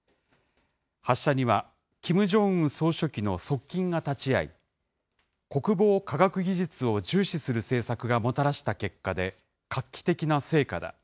発射にはキム・ジョンウン総書記の側近が立ち会い、国防科学技術を重視する政策がもたらした結果で、画期的な成果だ。